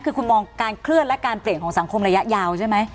คือคุณมองการเคลื่อนและการเปลี่ยนของสังคมระยะยาวใช่ไหม